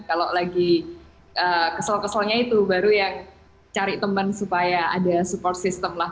kalau lagi kesel keselnya itu baru ya cari teman supaya ada support system lah